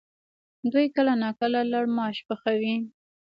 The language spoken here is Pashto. دوی کله ناکله لړماش پخوي؟